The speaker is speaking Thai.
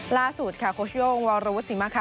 ล่าสุดโคชโยงวอรูสสิมะ